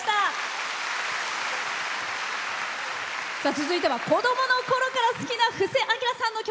続いては子供のころから好きな布施明さんの曲。